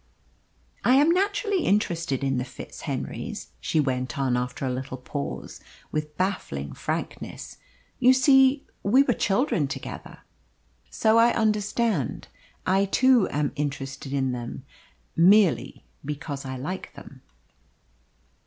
"I am naturally interested in the FitzHenrys," she went on after a little pause, with baffling frankness. "You see, we were children together." "So I understand. I too am interested in them merely because I like them."